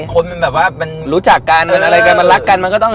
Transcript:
คนมันแบบว่ามันรู้จักกันมันอะไรกันมันรักกันมันก็ต้อง